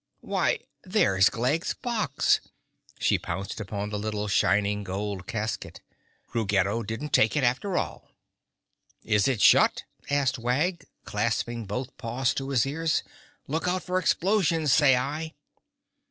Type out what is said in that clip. Why, there's Glegg's box!" She pounced upon the little shining gold casket. "Ruggedo didn't take it after all!" "Is it shut?" asked Wag, clapping both paws to his ears. "Look out for explosions, say I."